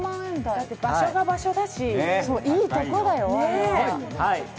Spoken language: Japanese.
場所が場所だし、いいところだよ、あれは。